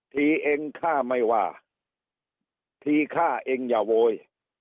ที่เองค่ะไม่ว่าที่ข้าเองอย่าโว๊ย